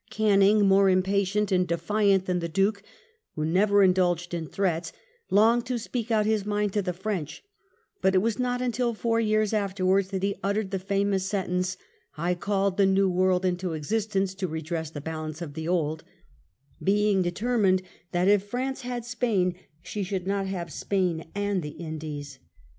Canning, more impatient and defiant than the Duke, who never indulged in threats, longed to speak out his mind to the French ; but it was not until four years afterwards that he uttered the famous sentence, "I called the New World into existence to redress the balance of the Old," being determined that if France had Spain she should not have Spain and the Indies.